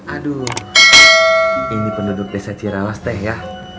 aduh ini penduduk desa cirawas teh ya